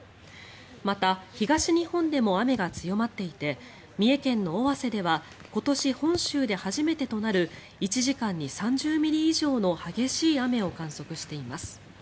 また、東日本でも雨が強まっていて三重県の尾鷲では今年本州で初めてとなる１時間に３０ミリ以上の激しい雨を観測しています。